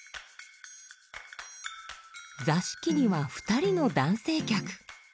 座敷には２人の男性客。